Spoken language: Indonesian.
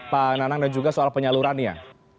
pak nanang dan juga soal penyalurannya